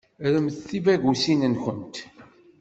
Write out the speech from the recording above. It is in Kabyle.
Rremt tibagusin-nkent.